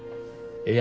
「え」